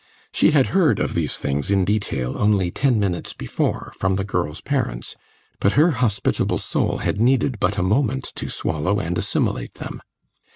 She had heard of these things in detail only ten minutes before, from the girl's parents, but her hospitable soul had needed but a moment to swallow and assimilate them.